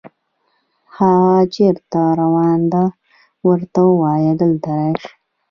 هاغه چېرته روان ده، ورته ووایه دلته راشي